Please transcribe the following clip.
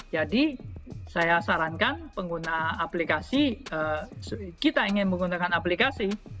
saya sarankan pengguna aplikasi kita ingin menggunakan aplikasi